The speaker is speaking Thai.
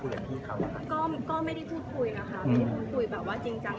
หรือว่าบ่อยครั้งอะไรของพี่ดินนะคะ